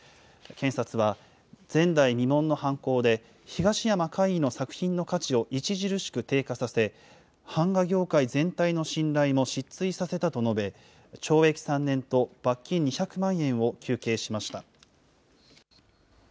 検察は、前代未聞の犯行で、東山魁夷の作品の価値を著しく低下させ、版画業界全体の信頼も失墜させたと述べ、懲役３年と罰金２００万円を求刑しました。